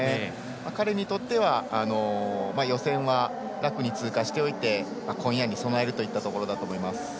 彼にとっては予選は楽に通過しておいて今夜に備えるといったところだと思います。